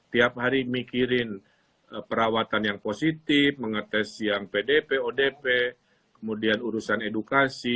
tiap hari mikirin perawatan yang positif mengetes yang pdp odp kemudian urusan edukasi